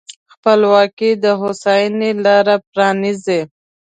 خپلواکي د هوساینې لاره پرانیزي.